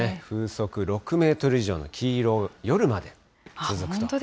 風速６メートル以上の黄色、夜まで続くと。